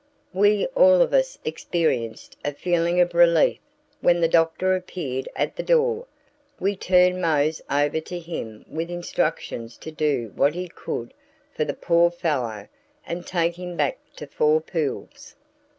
We all of us experienced a feeling of relief when the doctor appeared at the door. We turned Mose over to him with instructions to do what he could for the poor fellow and to take him back to Four Pools.